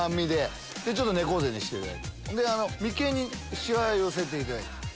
ちょっと猫背にして眉間にしわ寄せていただいて。